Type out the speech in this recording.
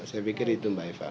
saya pikir itu mbak eva